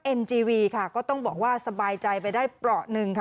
จีวีค่ะก็ต้องบอกว่าสบายใจไปได้เปราะหนึ่งค่ะ